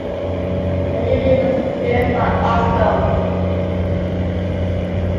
The unit was built by Alstom.